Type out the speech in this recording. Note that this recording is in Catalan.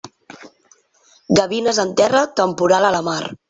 Gavines en terra, temporal a la mar.